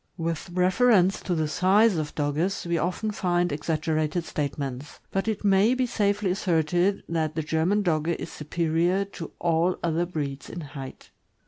With reference to the size of Dogges, we often find exaggerated statements; but it may be safely asserted that the German Dogge is superior to all other breeds in height.